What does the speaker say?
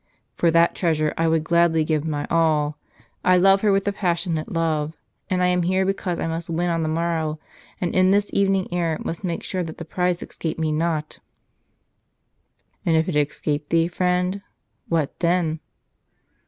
For that treasure I would gladly give my all. I love her with a passionate love. And I am here because I must win on the morrow, and in this evening air must make sure that the prize escape me not." "And if it escape thee, friend, what then?"